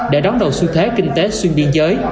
để đón đầu xu thế kinh tế xuyên biên giới